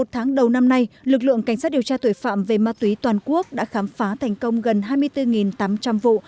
một tháng đầu năm nay lực lượng cảnh sát điều tra tội phạm về ma túy toàn quốc đã khám phá thành công gần hai mươi bốn tám trăm linh vụ